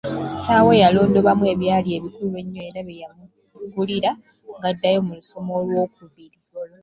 Kitaawe yalondobamu ebyali ebikulu ennyo era bye yamugulira ng’addayo mu lusoma olw’okubiri.